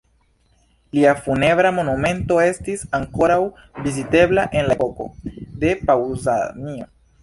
Lia funebra monumento estis ankoraŭ vizitebla en la epoko de Paŭzanio.